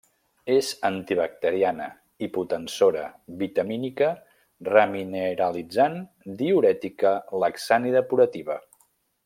És antibacteriana, hipotensora, vitamínica, remineralitzant, diürètica, laxant i depurativa.